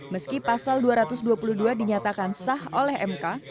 meski pasal dua ratus dua puluh dua dinyatakan sah oleh mk